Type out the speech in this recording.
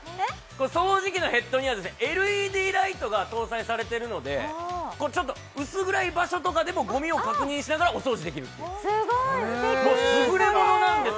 掃除機のヘッドにはＬＥＤライトが搭載されてるので薄暗い場所とかでもゴミを確認しながらお掃除できるというすごいすてき！